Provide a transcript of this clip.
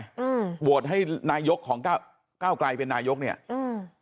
อืมโหวตให้นายกของเก้าเก้าไกลเป็นนายกเนี้ยอืม